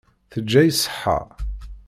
Teǧǧa-yi ṣṣeḥḥa.